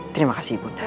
terima kasih ibunda